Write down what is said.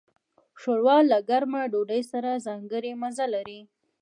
ښوروا له ګرمې ډوډۍ سره ځانګړی مزه لري.